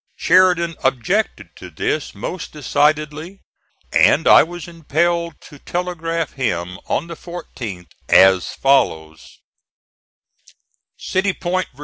Sheridan objected to this most decidedly; and I was impelled to telegraph him, on the 14th, as follows: CITY POINT, VA.